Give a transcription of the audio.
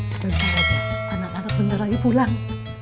sebentar lagi anak anak bentar lagi pulang